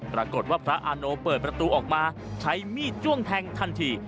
ปรากฏว่าพระอาโนเปิดประตูออกมาใช้มีดจ้วงแทงทันที